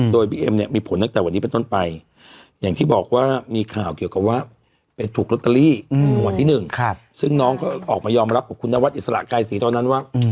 โดยบีเอ็มเนี่ยมีผลตั้งแต่วันนี้เป็นต้นไปอย่างที่บอกว่ามีข่าวเกี่ยวกับว่าไปถูกลอตเตอรี่รางวัลที่หนึ่งซึ่งน้องก็ออกมายอมรับกับคุณนวัดอิสระไกรศรีตอนนั้นว่า